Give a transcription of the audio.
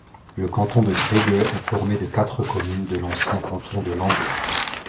Le canton de Trégueux est formé des quatre communes de l'ancien canton de Langueux.